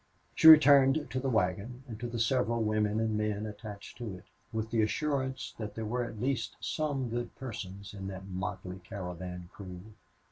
She returned to the wagon and to the several women and men attached to it, with the assurance that there were at least some good persons in that motley caravan crew.